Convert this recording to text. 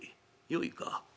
よいか。